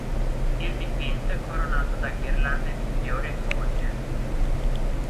Il dipinto è coronato da ghirlande di fiori e foglie.